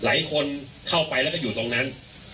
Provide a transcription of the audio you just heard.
หลายคนเข้าไปแล้วก็อยู่ตรงนั้น